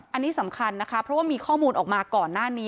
อันนี้สำคัญนะคะเพราะว่ามีข้อมูลออกมาก่อนหน้านี้